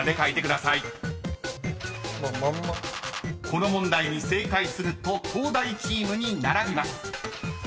［この問題に正解すると東大チームに並びます］